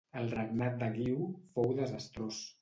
El regnat de Guiu fou desastrós.